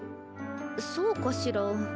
そうかしら。